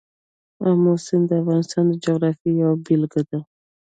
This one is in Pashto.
آمو سیند د افغانستان د جغرافیې یوه بېلګه ده.